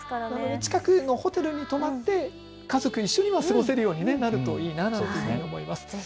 近くのホテルに泊まって家族一緒には過ごせるようになるといいなとは思います。